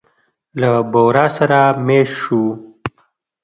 له بورا سره مېشت شوو.